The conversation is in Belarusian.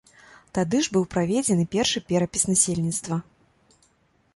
Тады ж быў праведзены першы перапіс насельніцтва.